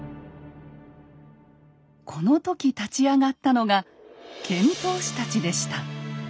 この時立ち上がったのが遣唐使たちでした。